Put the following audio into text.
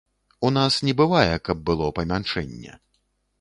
У нас не бывае, каб было памяншэнне.